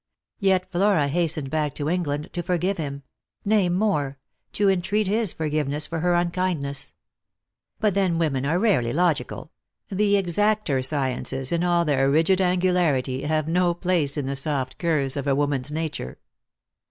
Yet Flora hastened back to England to forgive him — nay more, to entreat his for giveness for her unkindness. But then women are rarely logical; the exacter sciences, in all their rigid angularity, have no place in the soft curves of a woman's nature.